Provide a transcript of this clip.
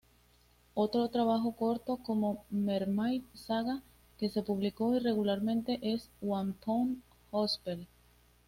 Otro trabajo corto, como Mermaid Saga, que se publicó irregularmente es "One Pound Gospel".